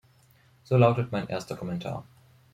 So lautet mein erster Kommentar.